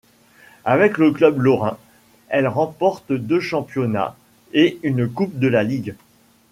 Avec le club lorrain, elle remporte deux championnats et une coupe de la Ligue.